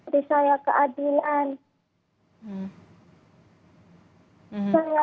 baik ibu saya turut berduka cita dan kasih maaf